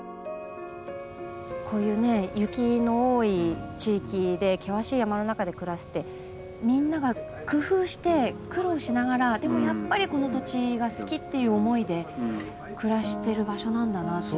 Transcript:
こういうね雪の多い地域で険しい山の中で暮らすってみんなが工夫して苦労しながらでもやっぱりこの土地が好きっていう思いで暮らしてる場所なんだなって。